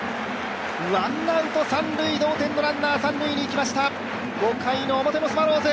ワンアウト三塁、同点のランナー、三塁にいきました